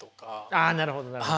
あなるほどなるほど。